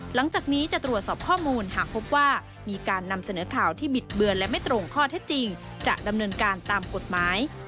หลังจากนี้จะตรวจสอบข้อมูลหากพบว่ามีการนำเสนอข่าวที่บิดเบือนและไม่ตรงข้อเท็จจริงจะดำเนินการตามกฎหมาย